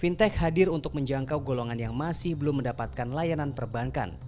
fintech hadir untuk menjangkau golongan yang masih belum mendapatkan layanan perbankan